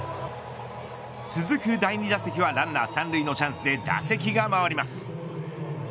続く第２打席はランナー３塁のチャンスで打席が回ります。